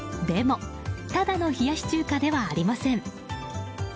でも、ただの冷やし中華ではありません。